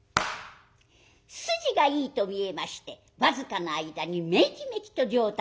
筋がいいと見えまして僅かの間にめきめきと上達いたします。